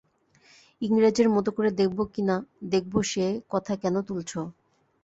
ইংরেজের মতো করে দেখব কি না-দেখব সে কথা কেন তুলছ!